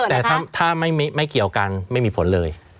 แต่ถ้าไม่เกี่ยวกันไม่มีผลเลย